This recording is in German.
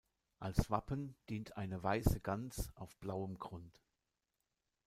Als Wappen dient eine weisse Gans auf blauem Grund.